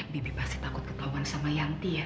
bibi pasti takut ketahuan sama yanti ya